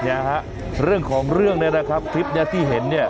เนี่ยฮะเรื่องของเรื่องเนี่ยนะครับคลิปนี้ที่เห็นเนี่ย